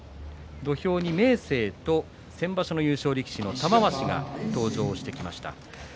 土俵に明生と先場所の優勝力士の玉鷲が登場してきます。